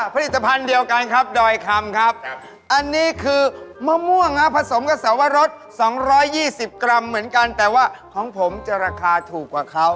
ผลิตภัณฑ์เดียวกันครับดอยคำครับอันนี้คือมะม่วงผสมกับสวรส๒๒๐กรัมเหมือนกันแต่ว่าของผมจะราคาถูกกว่าเขา